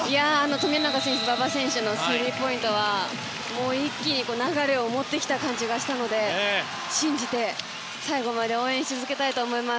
富永選手と馬場選手のスリーポイントは一気に流れを持ってきた感じがしたので信じて、最後まで応援し続けたいと思います。